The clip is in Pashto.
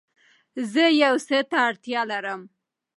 زه يو څه ته اړتيا لرم